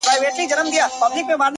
هغه ولس چي د ،